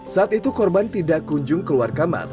saat itu korban tidak kunjung keluar kamar